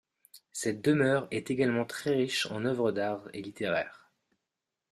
Cette demeure est également très riche en œuvres d'art et littéraires.